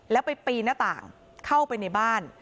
แล้วไปปีนหน้าต่างเข้าไปในบ้าน